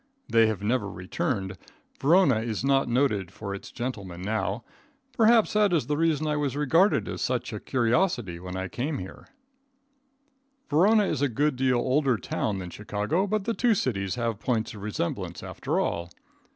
They have never returned. Verona is not noted for its gentlemen now. Perhaps that is the reason I was regarded as such a curiosity when I came here. [Illustration: THE ODORS OF VERONA.] Verona is a good deal older town than Chicago, but the two cities have points of resemblance after all.